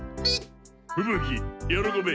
ふぶ鬼喜べ！